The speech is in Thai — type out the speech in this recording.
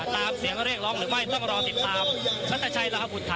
ตามเสียงเรียกร้องหรือไม่ต้องรอติดตามสัตตาไท